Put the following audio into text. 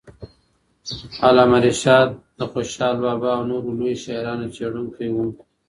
علامه رشاد د خوشال بابا او نورو لویو شاعرانو څېړونکی وو.